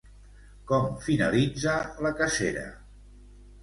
Com finalitza la cacera?